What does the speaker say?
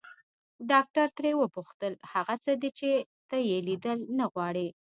ډاکټر ترې وپوښتل هغه څه دي چې ته يې ليدل نه غواړې.